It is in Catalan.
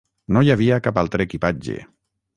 No hi havia cap altre equipatge.